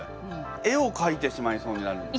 絵をかいてしまいそうになるんです。